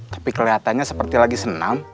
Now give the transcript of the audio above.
tapi kelihatannya seperti lagi senam